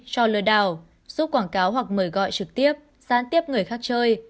cho lừa đảo giúp quảng cáo hoặc mời gọi trực tiếp gián tiếp người khác chơi